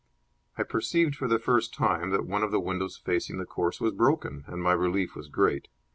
I perceived for the first time that one of the windows facing the course was broken, and my relief was great.